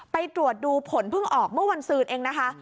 ไปตรวจดูผลเพิ่งออกเมื่อวันซืนเองนะคะ